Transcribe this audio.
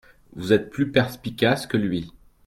Vous êtes plus perspicace que lui.